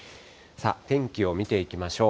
天気を見ていきましょう。